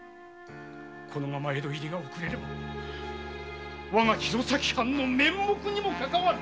このまま江戸入りが遅れれば我が弘前藩の面目にもかかわる！